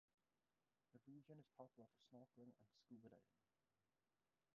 The region is popular for snorkeling and scuba diving.